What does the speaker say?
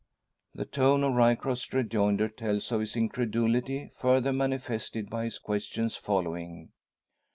The tone of Ryecroft's rejoinder tells of his incredulity, further manifested by his questions following.